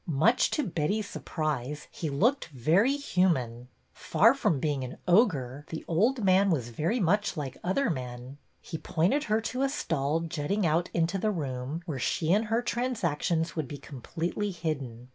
Much to Betty's sur prise, he looked very human. Far from being an ogre, the old man was very much like other men. He pointed her to a stall jutting out into the room, where she and her transactions would be completely hidden.